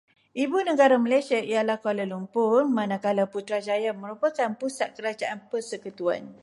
Ibu negara Malaysia ialah Kuala Lumpur, manakala Putrajaya merupakan pusat kerajaan persekutuan.